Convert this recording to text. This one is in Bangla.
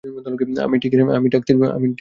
আমি ঠিক তার পেছনেই আছি।